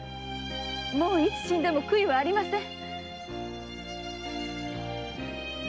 もういつ死んでも悔いはありません。